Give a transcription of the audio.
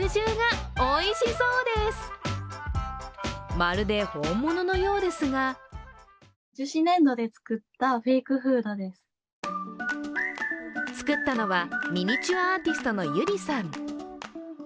まるで本物のようですが作ったのは、ミニチュアアーティストのｙｕｒｉさん。